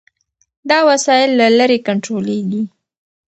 دا وسایل له لرې کنټرولېږي.